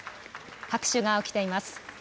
拍手が起きています。